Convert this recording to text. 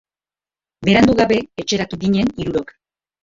Berandu gabe etxeratu ginen hirurok.